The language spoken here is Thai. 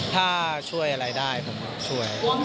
ถ้าช่วยอะไรได้ผมช่วย